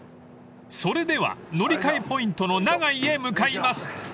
［それでは乗り換えポイントの長井へ向かいます］